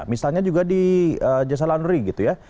misalnya juga di jasa laundry gitu ya